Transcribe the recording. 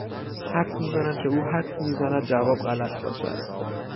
حدس میزنم که او حدس میزند جواب غلط باشد